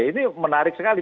ini menarik sekali